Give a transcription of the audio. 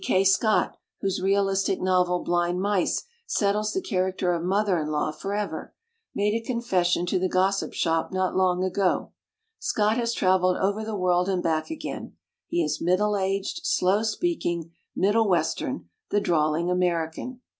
C. Kay Scott, whose realistic novel "Blind Mice" settles the character of Mother in Law forever, made a con fession to the Grossip Shop not long ago. Scott has traveled over the world and back again, he is middle aged, slow speaking, middle western, the drawling American.